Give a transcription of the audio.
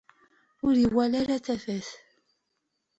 Ur iwala ara tafat.